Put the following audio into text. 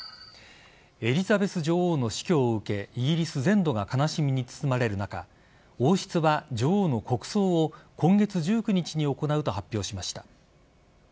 エリザベス女王の死去を受けイギリス全土が悲しみに包まれる中王室は女王の国葬を今月１９日に行うと発表しました。